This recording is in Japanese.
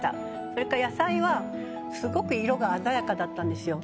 それから野菜色が鮮やかだったんですよ。